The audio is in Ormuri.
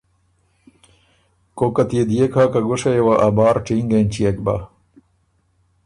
کوکت يې ديېک هۀ که ګُشئ یه وه ا بار ټینګ اېنچيېک بۀ؟